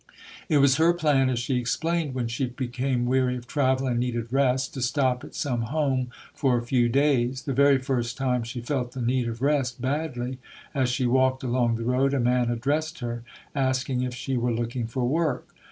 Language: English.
It was her plan, as she explained, when she be came weary of travel and needed rest, to stop at some home for a few days. The very first time she felt the need of rest badly, as she walked along the road, a man addressed her, asking if she were looking for work.